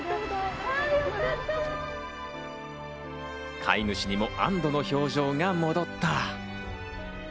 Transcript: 飼い主にも安堵の表情が戻った。